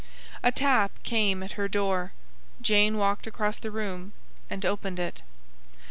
A tap came at her door. Jane walked across the room, and opened it.